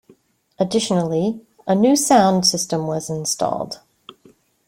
Additionally, a new sound system was installed.